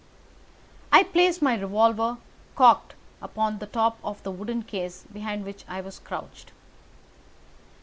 I placed my revolver, cocked, upon the top of the wooden case behind which I crouched.